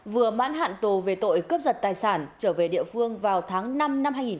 vừa mãn hạn tù về tội cướp giật tài sản trở về địa phương vào tháng năm năm hai nghìn hai mươi